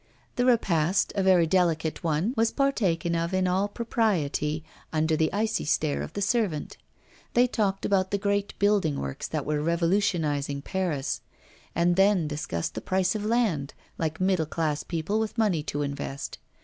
The repast, a very delicate one, was partaken of in all propriety, under the icy stare of the servant. They talked about the great building works that were revolutionising Paris; and then discussed the price of land, like middle class people with money to invest.